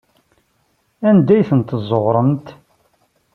Anda ay tent-tezzuɣremt?